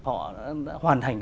họ đã hoàn thành